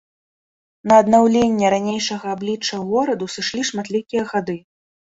На аднаўленне ранейшага аблічча гораду сышлі шматлікія гады.